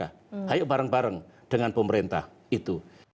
ayo bareng bareng dengan pemerintah itu